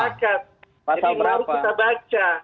jadi baru kita baca